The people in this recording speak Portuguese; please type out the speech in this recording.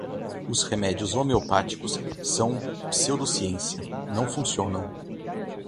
Os remédios homeopáticos são pseudociência: não funcionam